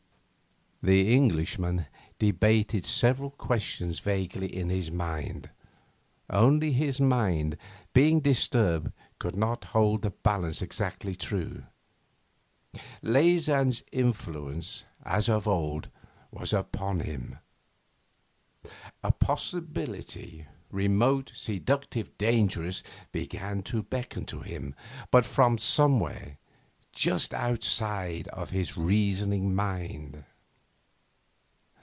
The Englishman debated several questions vaguely in his mind; only his mind, being disturbed, could not hold the balance exactly true. Leysin's influence, as of old, was upon him. A possibility, remote, seductive, dangerous, began to beckon to him, but from somewhere just outside his reasoning mind.